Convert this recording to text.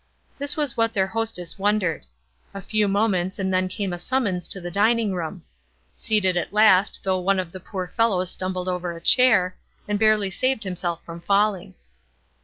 This was what their hostess wondered. A few moments and then came a summons to the dining room. Seated at last, though one of the poor fellows stumbled over a chair, and barely saved himself from falling.